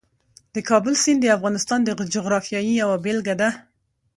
د کابل سیند د افغانستان د جغرافیې یوه بېلګه ده.